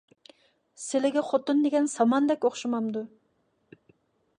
سىلىگە خوتۇن دېگەن ساماندەك ئوخشىمامدۇ؟